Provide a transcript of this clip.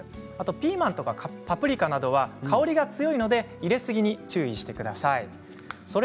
ピーマンやパプリカは香りが強いので入れすぎに注意してください。